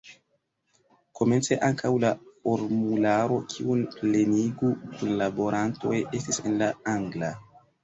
Komence ankaŭ la formularo, kiun plenigu kunlaborantoj, estis en la angla.